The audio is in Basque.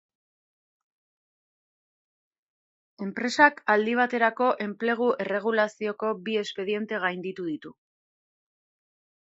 Enpresak aldi baterako enplegu erregulazioko bi espediente gainditu ditu.